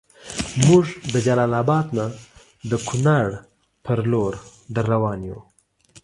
مونږ د جلال اباد نه د کونړ پر لور دروان یو